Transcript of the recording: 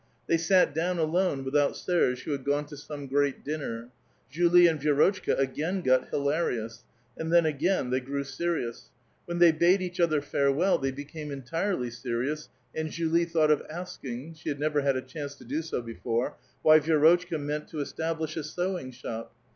They sat down alone without Serge, who had gone to some great dinner. Julie and Vi6rotchka again got hilarious, and then again they grew serious ; when they bade each other farewell they became entirely serious, and Julie tliought of asking — she had never had a chance to do so before — why Vi^rotchka meant to establish a sewing shop.